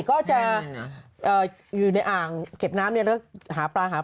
ก็จะเอ่ออยู่ในอ่างเก็บน้ำเนี่ยแล้วหาปลาหา